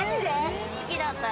好きだった。